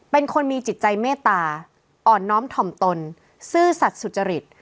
เป็นคนมีจิตใจเมตตาอ่อนน้อมถ่อมตนซื่อสัตว์สุจริต